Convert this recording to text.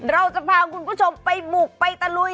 เราจะพาคุณผู้ชมไปบุกไปตะลุย